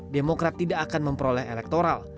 demokrat tidak akan memperoleh elektoral